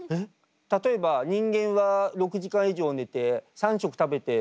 例えば人間は６時間以上寝て３食食べてって。